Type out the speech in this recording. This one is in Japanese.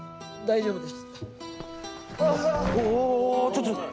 大丈夫ですか！？